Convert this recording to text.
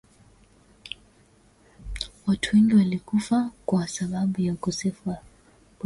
watu wengi walikufa kwa sababu ya ukosefu wa boti za kuokolea